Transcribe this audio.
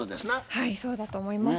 はいそうだと思います。